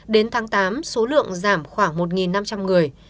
đến tháng tám số lượng giảm khoảng một năm trăm linh người